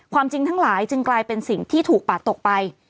จริงทั้งหลายจึงกลายเป็นสิ่งที่ถูกปาดตกไป